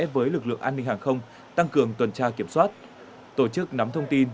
với lực lượng an ninh hàng không tăng cường tuần tra kiểm soát tổ chức nắm thông tin